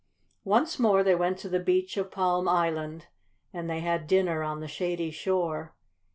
Once more they went to the beach of Palm Island, and they had dinner on the shady shore.